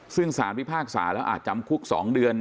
ซึ่งสารพิพากษาแล้วอาจจำคุก๒เดือน